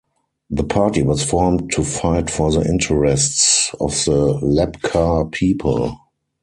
The party was formed to fight for the interests of the Lepcha people.